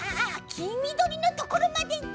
きみどりのところまでいった！